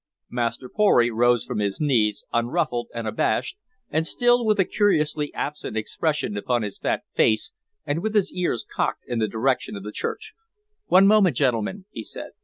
Master Pory rose from his knees, unruffled and unabashed, and still with a curiously absent expression upon his fat face and with his ears cocked in the direction of the church. "One moment, gentlemen," he said.